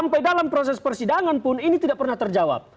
sampai dalam proses persidangan pun ini tidak pernah terjawab